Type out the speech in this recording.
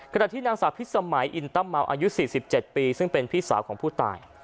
ขณะที่นางสาวพิษสมัยอินตั้มเมาอายุ๔๗ปีซึ่งเป็นพี่สาวของผู้ตาย